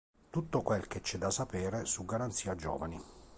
Tutto quel che c’è da sapere su Garanzia Giovani